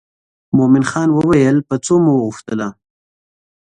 مومن خان وویل په څو مو وغوښتله.